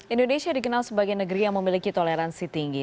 indonesia dikenal sebagai negeri yang memiliki toleransi tinggi